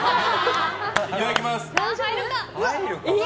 いただきます！